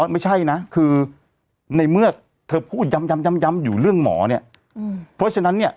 ไม่ใช่นะคือได้เมื่อเธอพวิวจำยังอยู่เรื่องหมอนี่อืมเพราะฉะนั้นเนี่ย